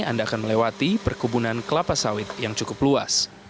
anda akan melewati perkebunan kelapa sawit yang cukup luas